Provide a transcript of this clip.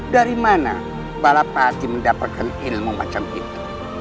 dari mana balap hati mendapatkan ilmu macam itu